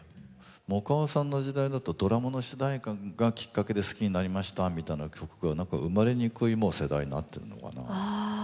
もかおさんの時代だとドラマの主題歌がきっかけで好きになりましたみたいな曲が生まれにくい世代になってるのかな？